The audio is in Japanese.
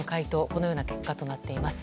このような結果となっています。